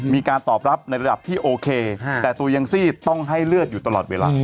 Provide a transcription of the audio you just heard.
มีการตอบรับในระดับที่โอเคแต่ตัวยังซีดต้องให้เลือดอยู่ตลอดเวลา